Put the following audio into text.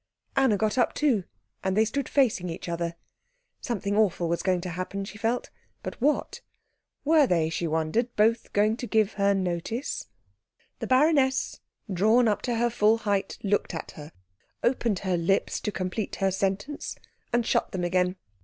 Anna got up too, and they stood facing each other. Something awful was going to happen, she felt, but what? Were they, she wondered, both going to give her notice? The baroness, drawn up to her full height, looked at her, opened her lips to complete her sentence, and shut them again.